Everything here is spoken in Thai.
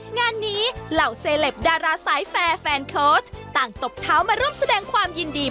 งานนี้เหล่าเซลปดาราสายแฟร์แฟนโค้ชต่างตบเท้ามาร่วมแสดงความยินดี